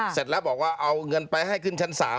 เสร็จแล้วบอกว่าเอาเงินไปให้ขึ้นชั้น๓